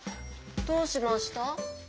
どうしました？